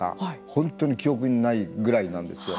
本当に記憶にないぐらいなんですよ。